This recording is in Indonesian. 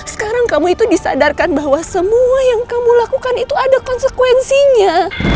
sekarang kamu itu disadarkan bahwa semua yang kamu lakukan itu ada konsekuensinya